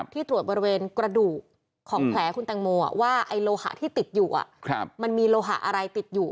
ตรวจบริเวณกระดูกของแผลคุณแตงโมว่าไอ้โลหะที่ติดอยู่มันมีโลหะอะไรติดอยู่